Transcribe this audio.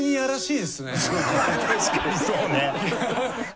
確かにそうね。